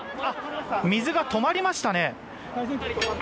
水が止まりましたね。